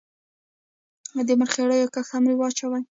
د مرخیړیو کښت هم رواج شوی.